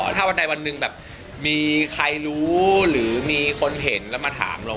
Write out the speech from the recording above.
ถ้าวันใดวันหนึ่งแบบมีใครรู้หรือมีคนเห็นแล้วมาถามเรา